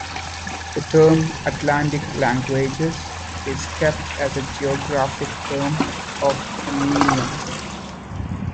The term "Atlantic languages" is kept as a geographic term of convenience.